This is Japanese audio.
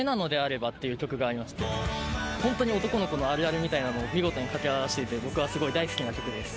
本当に男の子のあるあるみたいなものを見事に掛け合わせていて僕はすごく大好きな曲です。